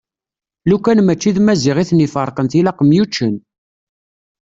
Lukan mačči d Maziɣ iten-iferqen tilaq myuččen.